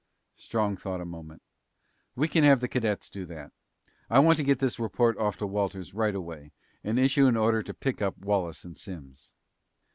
Strong thought a moment. "We can have the cadets do that. I want to get this report off to Walters right away, and issue an order to pick up Wallace and Simms."